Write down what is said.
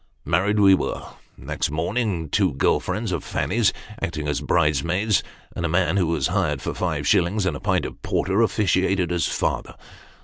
Married we were, the next morn ing; two girls friends of Fanny's acting as bridesmaids; and a man, who was hired for five shillings and a pint of porter, officiating as father.